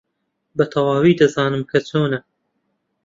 بەتەواوی دەزانم کە چۆنە.